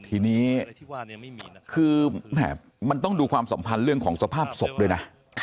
ทีนี้คือมันต้องดูความสัมพันธ์เรื่องของสภาพศพด้วยนะ